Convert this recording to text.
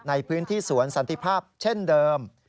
ในพื้นที่สวนสันติภาพเช่นเดิม